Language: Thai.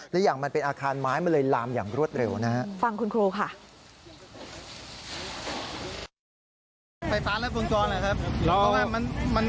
แล้วยังมันเป็นอาคารไม้มันเลยลามอย่างรวดเร็วนะฮะ